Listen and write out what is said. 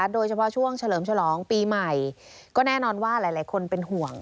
โดยเฉพาะช่วงเฉลิมฉลองปีใหม่ก็แน่นอนว่าหลายคนเป็นห่วง